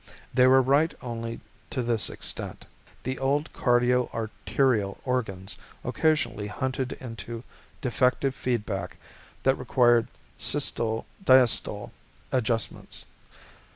They were right only to this extent: the old cardioarterial organs occasionally hunted into defective feedback that required systole diastole adjustments.